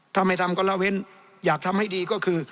ถ้าไม่ทำก็ละเว้นอยากทำให้ดีก็คือ